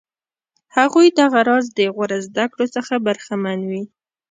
هغوی دغه راز د غوره زده کړو څخه برخمن وي.